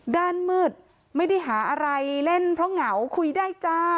ด้านมืดไม่ได้หาอะไรเล่นเพราะเหงาคุยได้จ้า